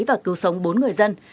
và cứu sống bốn người dân